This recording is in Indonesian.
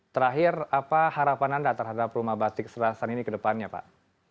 terakhir apa harapan anda terhadap rumah batik selatan ini kedepannya pak